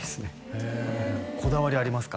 へえこだわりありますか？